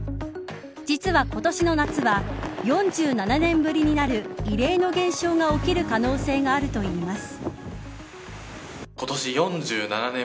実は今年の夏は４７年ぶりになる異例の現象が起きる可能性があるといいます。